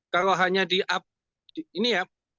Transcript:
kalau hanya di ini ya